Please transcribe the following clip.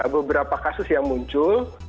beberapa kasus yang muncul